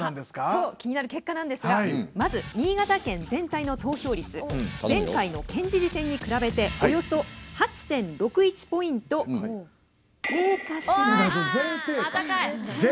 そう気になる結果なんですがまず新潟県全体の投票率前回の県知事選に比べておよそ全低下ですか？